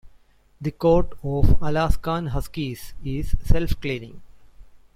The coat of Alaskan Huskies is self-cleaning.